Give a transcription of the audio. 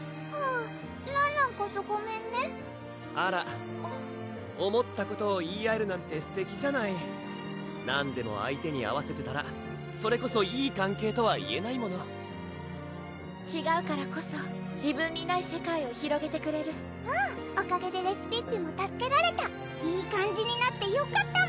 うらんらんこそごめんねあら思ったことを言い合えるなんてすてきじゃない何でも相手に合わせてたらそれこそいい関係とは言えないものちがうからこそ自分にない世界を広げてくれるうんおかげでレシピッピも助けられたいい感じになってよかった